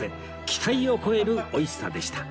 期待を超える美味しさでした